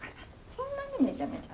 そんなにめちゃめちゃ。